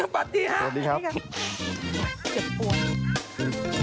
บันดีครับสวัสดีครับ